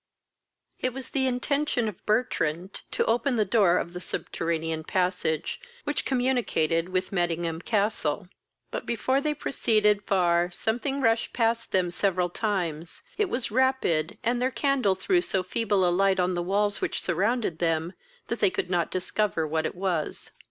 V. It was the intention of Bertrand to open the door of the subterranean passage, which communicated with Mettingham castle; but, before they proceeded par, something rushed past them several times: it was rapid, and their candle threw so feeble a light on the walls which surrounded them, that they could not discover what it was.